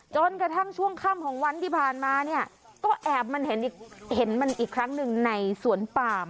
จนกระทั่งช่วงค่ำของวันที่ผ่านมาเนี่ยก็แอบมันเห็นมันอีกครั้งหนึ่งในสวนปาม